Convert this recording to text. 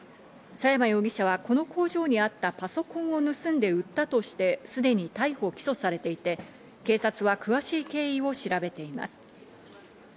佐山容疑者はこの工場にあったパソコンを盗んで売ったとして、すでに逮捕・起訴されていて、警察は詳しい経緯を調べています。